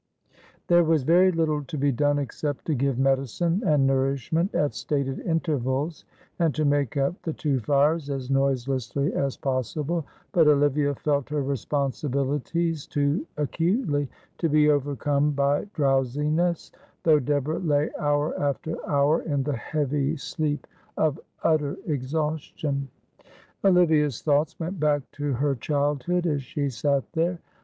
There was very little to be done except to give medicine and nourishment at stated intervals and to make up the two fires as noiselessly as possible, but Olivia felt her responsibilities too acutely to be overcome by drowsiness, though Deborah lay hour after hour in the heavy sleep of utter exhaustion. Olivia's thoughts went back to her childhood as she sat there.